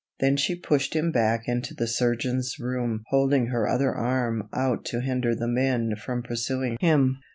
Then she pushed him back into the surgeon's room, holding her other arm out to hinder the men from pursuing him.